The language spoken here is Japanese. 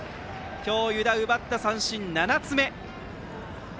今日、湯田奪った三振７つ目。